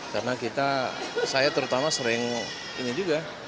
karena kita saya terutama sering ini juga